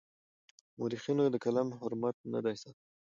مورخينو د قلم حرمت نه دی ساتلی.